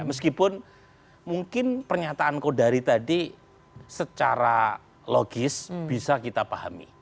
meskipun mungkin pernyataan kodari tadi secara logis bisa kita pahami